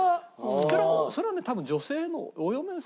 それはね多分女性のお嫁さん側の方。